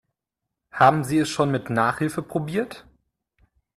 Haben Sie es schon mit Nachhilfe probiert?